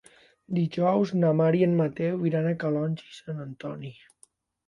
Dijous na Mar i en Mateu iran a Calonge i Sant Antoni.